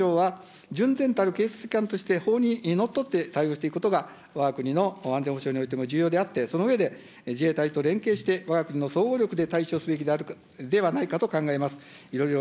第２５条の規定は維持をして、海上保安庁は純然たる警察機関として法にのっとって対応していくことが、わが国の安全保障においても重要であって、その上で自衛隊と連携して、わが国の総合力で対処すべきではないかと考えます。